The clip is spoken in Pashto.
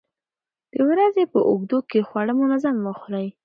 د ورځې په اوږدو کې خواړه منظم وخورئ.